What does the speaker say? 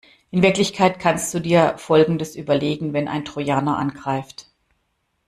In Wirklichkeit kannst du dir folgendes überlegen wenn ein Trojaner angreift.